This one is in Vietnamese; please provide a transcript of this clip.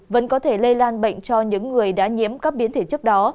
vẫn có thể lây lan bệnh cho những người đã nhiễm các biến thể trước đó